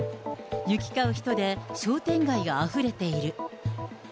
行き交う人で商店街があふれている。